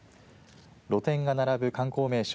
露店が並ぶ観光名所